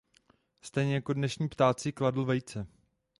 Stejně jako dnešní ptáci kladl vejce.